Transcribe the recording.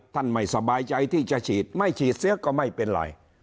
ไม่สบายใจที่จะฉีดไม่ฉีดเสียก็ไม่เป็นไร